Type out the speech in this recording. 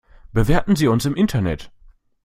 Bewerten Sie uns im Internet!